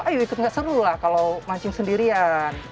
ayo ikut gak seru lah kalau mancing sendirian